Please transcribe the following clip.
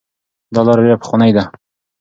دا لاره ډیره پخوانۍ ده.